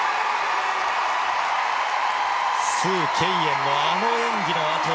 スウ・ケイエンのあの演技のあと